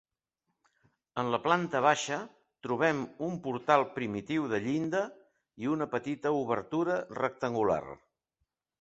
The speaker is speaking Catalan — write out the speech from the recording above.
En la planta baixa, trobem un portal primitiu de llinda i una petita obertura rectangular.